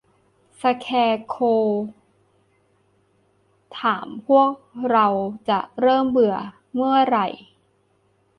สแคร์โคร์วถามพวกเราควรจะเริ่มเมื่อไหร่